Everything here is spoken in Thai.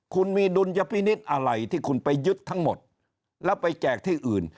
คุณมีดุลยพินิษฐ์อะไรที่คุณไปยึดทั้งหมดแล้วไปแจกที่อื่น